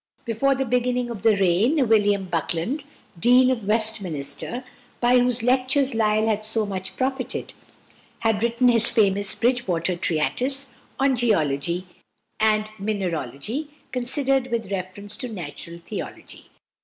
Before the beginning of the reign =William Buckland (1784 1856)=, Dean of Westminster, by whose lectures Lyell had so much profited, had written his famous Bridgewater Treatise on "Geology and Mineralogy considered with reference to Natural Theology."